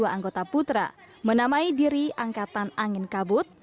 dua puluh anggota putra menamai diri angkatan angin kabut